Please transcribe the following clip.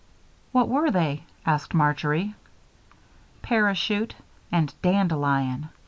"What were they?" asked Marjory. "'Parachute' and 'dandelion.'